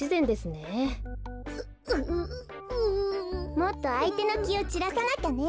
もっとあいてのきをちらさなきゃね。